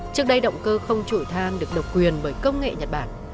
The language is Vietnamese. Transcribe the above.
trước đây động cơ không chổi than được độc quyền bởi công nghệ nhật bản